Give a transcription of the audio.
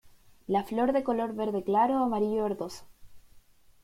La flor de color verde claro o amarillo verdoso.